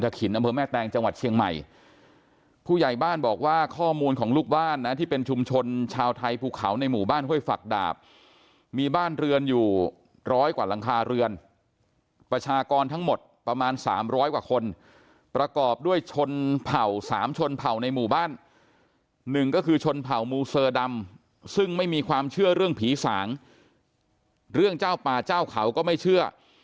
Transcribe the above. อำเภอแม่แตงจังหวัดเชียงใหม่ผู้ใหญ่บ้านบอกว่าข้อมูลของลูกบ้านนะที่เป็นชุมชนชาวไทยภูเขาในหมู่บ้านห้วยฝักดาบมีบ้านเรือนอยู่ร้อยกว่าหลังคาเรือนประชากรทั้งหมดประมาณสามร้อยกว่าคนประกอบด้วยชนเผ่าสามชนเผ่าในหมู่บ้านหนึ่งก็คือชนเผ่ามูเซอร์ดำซึ่งไม่มีความเชื่อเรื่องผีสางเรื่องเจ้าป่าเจ้าเขาก็ไม่เชื่อ